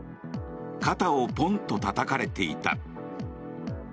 肩をポンとたたかれていた。